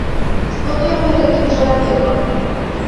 Што кіруе такім чалавекам?